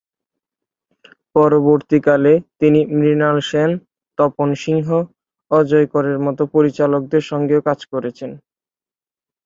পরবর্তীকালে তিনি মৃণাল সেন, তপন সিংহ, অজয় করের মত পরিচালকদের সঙ্গেও কাজ করেছেন।